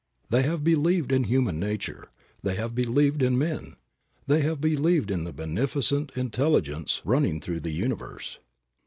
They have believed in human nature. They have believed in men. They have believed in the beneficent Intelligence running through the universe.